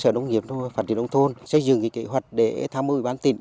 sở nông nghiệp phạm thị đông thôn xây dựng kế hoạch để tham mưu bán tỉnh